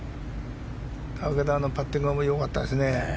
だけどあのパッティングは良かったですね。